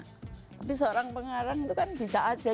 tapi seorang pengarang itu kan bisa aja